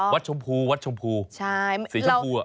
วัดชมพูวัดชมพูสีชมพูมั้ย